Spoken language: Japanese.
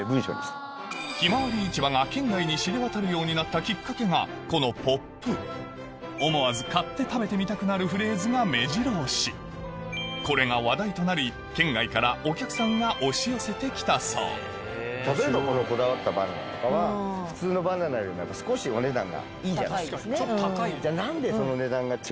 ひまわり市場が県外に知れ渡るようになったきっかけがこのポップ思わず買って食べてみたくなるフレーズがめじろ押しこれが話題となり県外からお客さんが押し寄せて来たそうこだわったバナナとかは普通のバナナよりも少しお値段がいいじゃないですか。